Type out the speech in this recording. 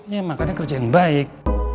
ya makanya kerja yang baik